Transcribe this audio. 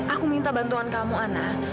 aku minta bantuan kamu ana